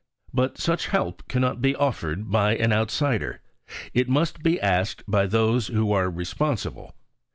But such help cannot be offered by an outsider it must be asked by those who are responsible.